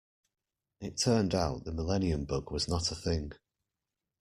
It turned out the millennium bug was not a thing.